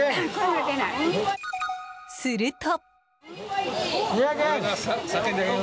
すると。